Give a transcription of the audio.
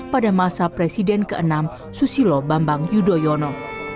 pada masa presiden ke enam susilo bambang yudhoyono